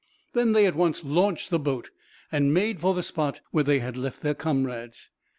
Then they at once launched the boat, and made for the spot where they had left their comrades.